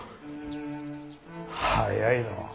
・・早いのう。